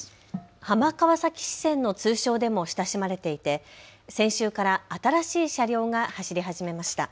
浜川崎支線の通称でも親しまれていて先週から新しい車両が走り始めました。